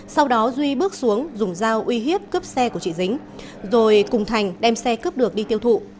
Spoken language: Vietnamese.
sau đó duy bước xuống dùng dao uy hiếp cướp xe của chị dính rồi cùng thành đem xe cướp được đi tiêu thụ